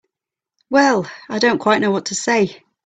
Well—I don't quite know what to say.